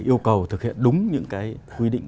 yêu cầu thực hiện đúng những cái quy định